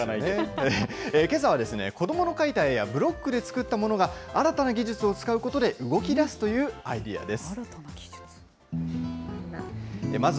けさは子どもの描いた絵や、ブロックで作ったものが、新たな技術を使うことで動き出すというアイデアです。